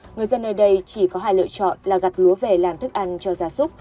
người dân nơi đây chỉ có hai lựa chọn là gặt lúa về làm thức ăn cho gia súc